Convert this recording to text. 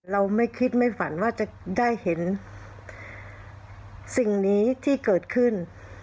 เราไม่คิดไม่ฝันว่าจะได้เห็นสิ่งนี้ที่เกิดขึ้น